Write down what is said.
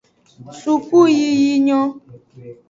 Sukuyiyi nyon.